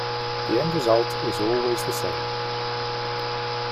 The end result is always the same.